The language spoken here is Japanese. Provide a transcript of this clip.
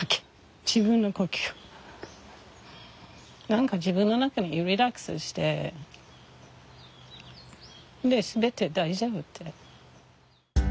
何か自分の中にリラックスしてで全て大丈夫って。